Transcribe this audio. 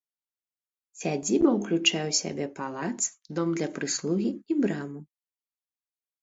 Сядзіба ўключае ў сябе палац, дом для прыслугі і браму.